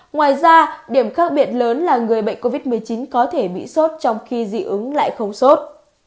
ngoài ra điểm khác biệt lớn là người bệnh covid một mươi chín có thể bị sốt trong khi dị ứng lại không sốt